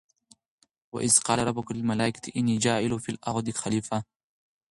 وَإِذْ قَالَ رَبُّكَ لِلْمَلٰٓئِكَةِ إِنِّى جَاعِلٌ فِى الْأَرْضِ خَلِيفَةً ۖ